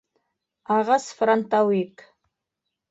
Ағас франтауик!